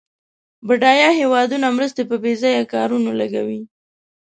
بډایه هېوادونه مرستې په بیځایه کارونو لګوي.